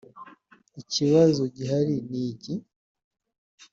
Ikibazo kiba gihari ni iki